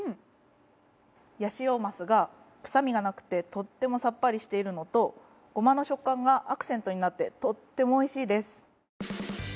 ヤシオマスが臭みがなくてとってもさっぱりしているのとごまの食感がアクセントになってとってもおいしいです。